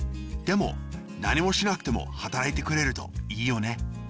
でもなにもしなくてもはたらいてくれるといいよね。